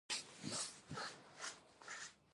چین، اسټرلیا، امریکا، هند او پاکستان